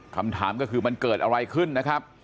คำถามก็คือมันเกิดอะไรขึ้นนะครับ